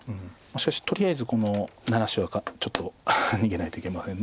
しかしとりあえずこの７子はちょっと逃げないといけません。